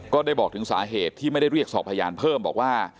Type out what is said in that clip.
ก็ได้บอกถึงสาเหตุที่ไม่ได้เรียกสอบพยานเพิ่มบอกว่า